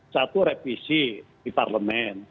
satu reprisi di parlemen